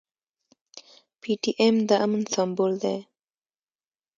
پي ټي ايم د امن سمبول دی.